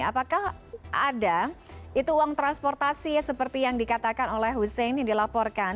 apakah ada itu uang transportasi seperti yang dikatakan oleh hussein yang dilaporkan